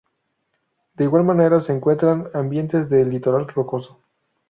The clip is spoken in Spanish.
De igual manera, se encuentran ambientes de litoral rocoso.